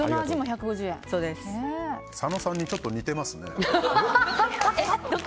佐野さんにちょっと似てますね。